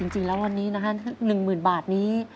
จริงแล้ววันนี้นะครับ๑หมื่นบาทนี้